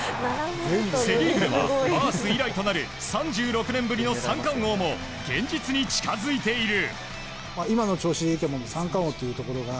セリーグではバース以来となる３６年ぶりの三冠王も現実に近づいている。